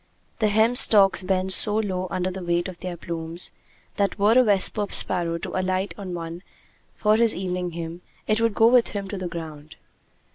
The hemp stalks bend so low under the weight of their plumes, that were a vesper sparrow to alight on one for his evening hymn, it would go with him to the ground.